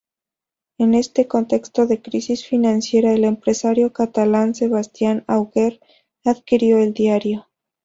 En este contexto de crisis financiera, el empresario catalán Sebastián Auger adquirió el diario.